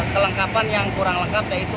kelengkapan yang kurang lengkap yaitu